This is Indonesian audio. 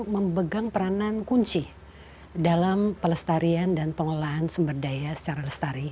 memegang peranan kunci dalam pelestarian dan pengelolaan sumber daya secara lestari